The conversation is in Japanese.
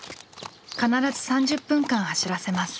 必ず３０分間走らせます。ＯＫ。